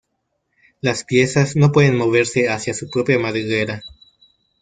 Las piezas no pueden moverse hacia su propia Madriguera.